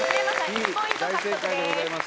Ｂ大正解でございます